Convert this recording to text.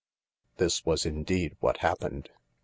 This was indeed what happened.